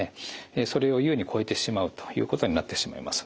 それを優に超えてしまうということになってしまいます。